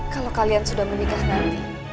kalau kalian sudah menikah nanti